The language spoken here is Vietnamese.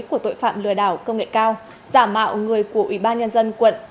của tội phạm lừa đảo công nghệ cao giả mạo người của ủy ban nhân dân quận